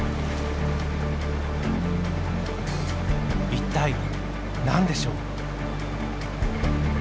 一体何でしょう？